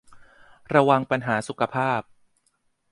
ระวังปัญหาสุขภาพ